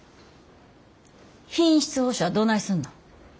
品質保証はどないすんの？